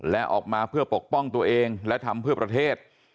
และออกมาเพื่อปกป้องตัวเองและทำเพื่อประเทศ